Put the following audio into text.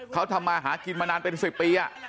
เขาทำมาหากินมานานเป็น๑๐ปี